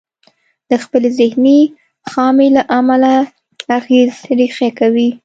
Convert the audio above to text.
د خپلې ذهني خامي له امله اغېز ريښې کوي.